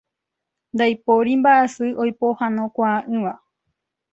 Ndaipóri mbaʼasy oipohãnokuaaʼỹva.